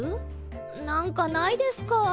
なんかないですか？